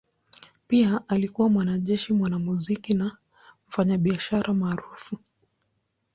Pia alikuwa mwanajeshi, mwanamuziki na mfanyabiashara maarufu.